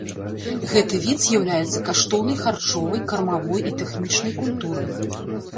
Гэты від з'яўляецца каштоўнай харчовай, кармавой і тэхнічнай культурай.